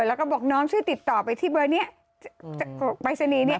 แล้วก็บอกน้องช่วยติดต่อไปที่เบอร์นี้ปรายศนีย์เนี่ย